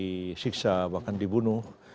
disiksa bahkan dibunuh